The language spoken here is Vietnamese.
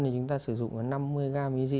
thì chúng ta sử dụng năm mươi gram ý dĩ